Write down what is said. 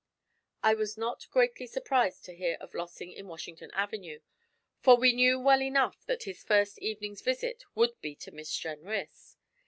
I was not greatly surprised to hear of Lossing in Washington Avenue, for we knew well enough that his first evening's visit would be to Miss Jenrys.